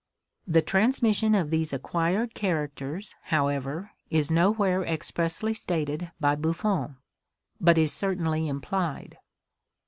The transmission of these acquired characters, however, is nowhere expressly stated by Buffon, but is certainly implied.